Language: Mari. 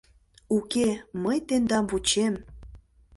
— Уке, мый тендам вучем.